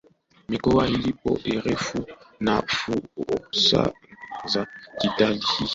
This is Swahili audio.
mikoa ilipo urefu na fursa za kitalii zinazoweza kupatikana katika rasimali hizo